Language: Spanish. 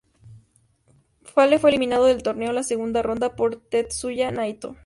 Fale fue eliminado del torneo en la segunda ronda por Tetsuya Naito.